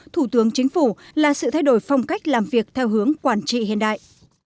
thủ tướng chính phủ là sự thay đổi phong cách làm việc theo hướng quản trị hiện đại